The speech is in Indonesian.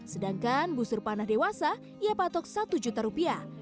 sedangkan busur panah dewasa ia patok satu juta rupiah